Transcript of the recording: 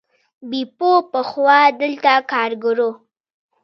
بیپو پخوا دلته کارګر و.